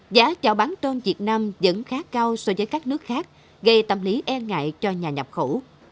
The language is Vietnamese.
giá chào bán tôm việt nam vẫn khá cao so với các nước khác gây tâm lý e ngại cho nhà nhập khẩu